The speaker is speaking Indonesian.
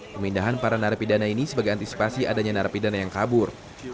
pemindahan para narapidana ini sebagai antisipasi adanya narapidana yang kabur